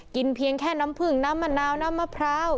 เพียงแค่น้ำผึ้งน้ำมะนาวน้ำมะพร้าว